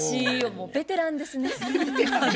もうベテランですね。